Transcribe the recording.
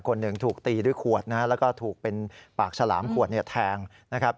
คนหนึ่งถูกตีด้วยขวดนะฮะแล้วก็ถูกเป็นปากฉลามขวดเนี่ยแทงนะครับ